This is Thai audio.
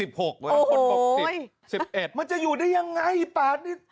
โอ้โหคนบอก๑๐๑๑มันจะอยู่ได้ยังไงปาดนี่โอ้โห